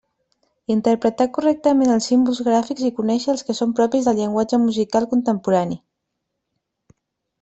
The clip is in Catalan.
Interpretar correctament els símbols gràfics i conéixer els que són propis del llenguatge musical contemporani.